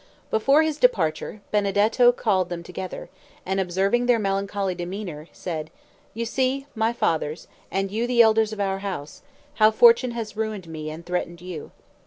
Before his departure, Benedetto called them together, and observing their melancholy demeanor, said, "You see, my fathers, and you the elders of our house, how fortune has ruined me and threatened you.